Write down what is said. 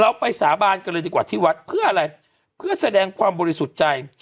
ไปสาบานกันเลยดีกว่าที่วัดเพื่ออะไรเพื่อแสดงความบริสุทธิ์ใจ